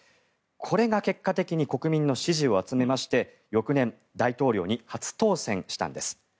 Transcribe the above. これが結果的に国民の支持を集めまして、翌年大統領に初当選したんです。